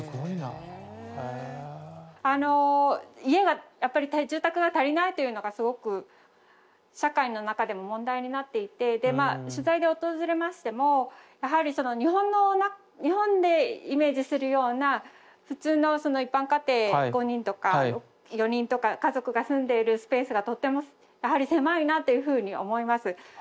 家がやっぱり住宅が足りないというのがすごく社会の中でも問題になっていてでまあ取材で訪れましてもやはり日本でイメージするような普通の一般家庭５人とか４人とか家族が住んでいるスペースがとってもやはり狭いなというふうに思います。